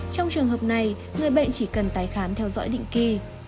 trong trường hợp này người bệnh chỉ cần tái khám theo dõi định kỳ